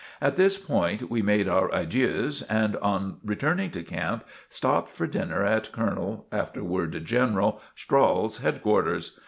At this point we made our adieus and on returning to camp stopped for dinner at Colonel, (afterward General) Strahl's headquarters.